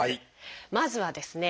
まずはですね